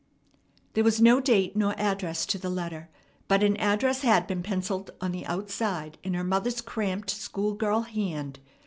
There was no date nor address to the letter, but an address had been pencilled on the outside in her mother's cramped school girl hand.